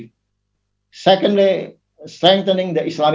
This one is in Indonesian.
kedua memperkuat sektor pengembangan islam